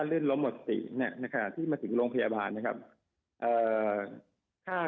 ค่าลื่นล้มหมดสติที่มาถึงโรงพยาบาลนะครับ